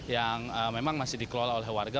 yang memang masih dikelola oleh warga